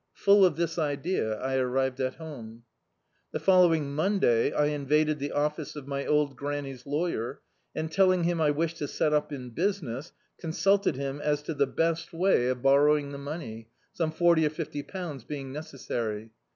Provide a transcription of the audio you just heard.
Full of this idea I arrived at home. The following Monday I invaded the office of my old granny's lawyer, and telling him I wished to set up in business, consulted him as to the best way (279I Dictzed by Google The Autobiography of a Super Tramp of borrowing the money, some forty or fifty pounds being necessary.